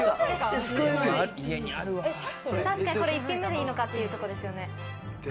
これ１品目でいいのかっていうところですね。